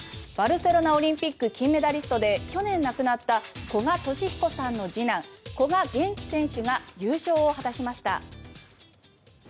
バルセロナオリンピック金メダリストで去年亡くなった古賀稔彦さんの次男古賀玄暉選手が優勝を果たしました。